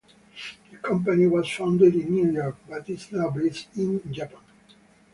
The company was founded in New York, but is now based in Japan.